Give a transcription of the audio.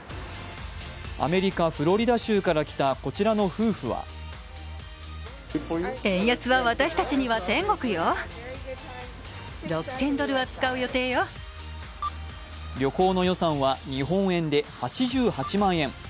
アメリカ・フロリダ州から来たこちらの夫婦は旅行の予算は日本円で８８万円。